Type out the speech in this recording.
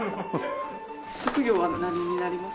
職業は何になりますか？